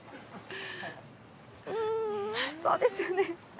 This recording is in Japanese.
そうですよね。